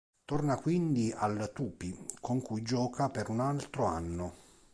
Torna quindi al Tupi, con cui gioca per un altro anno.